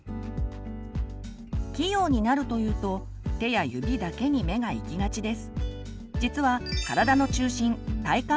器用になるというと手や指だけに目が行きがちです。